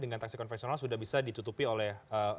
dengan taksi konvensional sudah bisa ditutupi oleh